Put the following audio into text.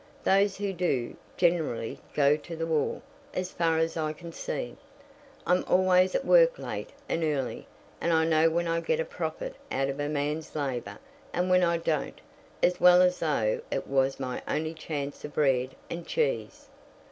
Those who do, generally go to the wall, as far as I can see. I'm always at work late and early, and I know when I get a profit out of a man's labour and when I don't, as well as though it was my only chance of bread and cheese."